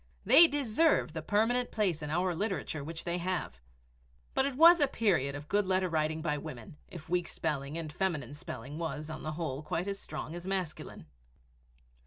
They deserve the permanent place in our literature which they have. But it was a period of good letter writing by women if weak spelling and feminine spelling was, on the whole, quite as strong as masculine!